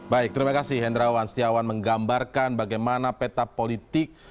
baik terima kasih hendrawan setiawan menggambarkan bagaimana peta politik